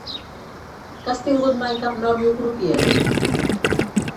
Que has tingut mai cap nòvio crupier?